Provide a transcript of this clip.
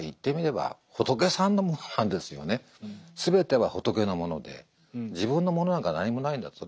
すべては仏のもので自分のものなんか何もないんだと。